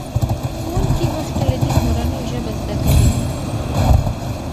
ښوونکي مخکې له دې مورنۍ ژبه زده کړې وه.